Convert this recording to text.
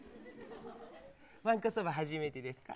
わんこそば、初めてですか。